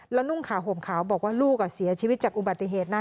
แล้วนุ่งขาวห่มขาวบอกว่าลูกเสียชีวิตจากอุบัติเหตุนะ